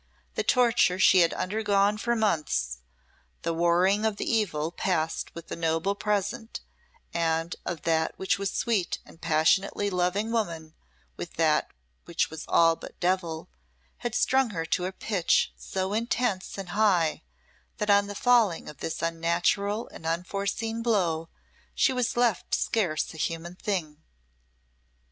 The torture she had undergone for months, the warring of the evil past with the noble present, of that which was sweet and passionately loving woman with that which was all but devil, had strung her to a pitch so intense and high that on the falling of this unnatural and unforeseen blow she was left scarce a human thing.